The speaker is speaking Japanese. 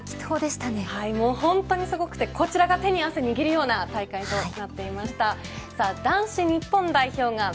本当にすごくて、こちらが手に汗握るような大会となっていました。